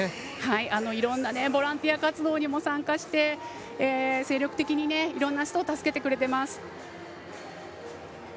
いろんなボランティア活動にも参加して精力的にいろんな人を助けてくれています。